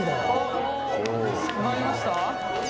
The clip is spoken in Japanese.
決まりました？